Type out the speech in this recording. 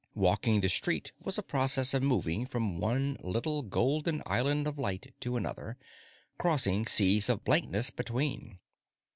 Walking the street was a process of moving from one little golden island of light to another, crossing seas of blankness between.